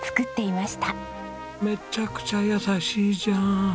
めちゃくちゃ優しいじゃん！